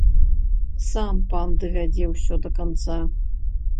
Сам пан давядзе ўсё да канца.